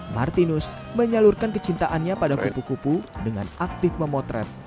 martinus menyalurkan kecintaannya pada kupu kupu dengan aktif memotret